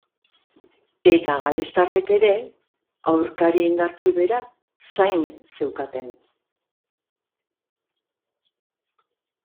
Eta galestarrek ere aurkari indartsu bera zain zeukaten.